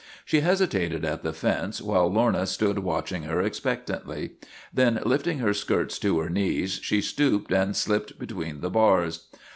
She hesitated at the fence, while Lorna stood watching her expectantly. Then, lifting her skirts to her knees, she stooped and slipped between the bars.